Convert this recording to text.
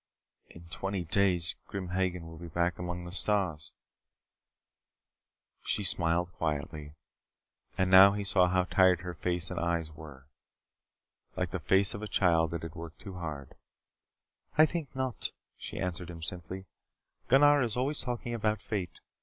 "In twenty days Grim Hagen will be back among the stars " She smiled quietly. And now he saw how tired her face and eyes were. Like the face of a child that has worked too hard. "I think not," she answered him simply. "Gunnar is always talking about fate.